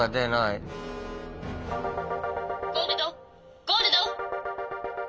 「ゴールドゴールド！」。